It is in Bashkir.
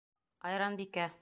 Айранбикә.